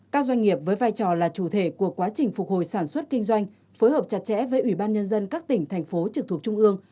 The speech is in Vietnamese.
các doanh nghiệp với vai trò là chủ thể của quá trình phục hồi sản xuất kinh doanh phối hợp chặt chẽ với ủy ban nhân dân các tỉnh thành phố trực thuộc trung ương